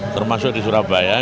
termasuk di surabaya